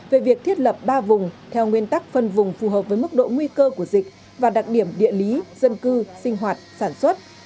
về việc thiết lập ba vùng theo nguyên tắc phân vùng phù hợp với mức độ nguy cơ của dịch và đặc điểm địa lý dân cư sinh hoạt sản xuất